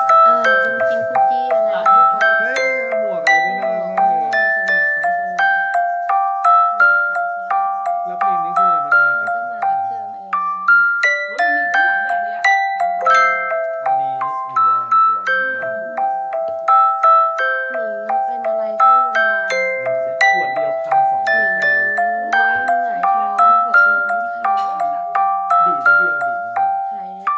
โอ้ยมีกลุ่มแบบนี้อ่ะ